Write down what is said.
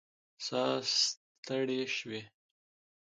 ساه ستړې شوې